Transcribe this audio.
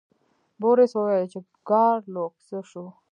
بوریس وویل چې ګارلوک څه شو.